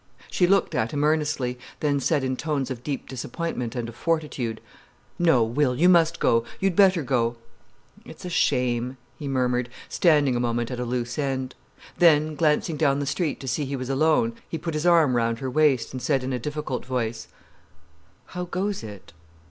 She looked at him earnestly, then said in tones of deep disappointment and of fortitude: "No, Will, you must go. You'd better go——" "It's a shame!" he murmured, standing a moment at a loose end. Then, glancing down the street to see he was alone, he put his arm round her waist and said in a difficult voice: "How goes it?"